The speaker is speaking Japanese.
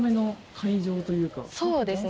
そうですね。